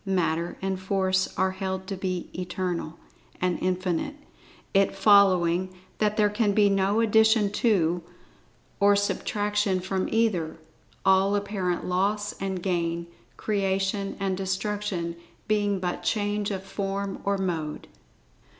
Matter and Force are held to be Eternal, and Infinite, it following that there can be[Pg 22] no addition to, or subtraction from either; all apparent loss and gain, creation and destruction being but change of form or mode.